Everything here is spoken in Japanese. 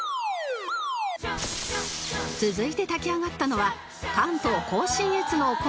続いて炊き上がったのは関東甲信越のお米